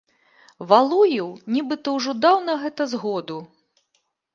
Валуеў, нібыта, ужо даў на гэта згоду.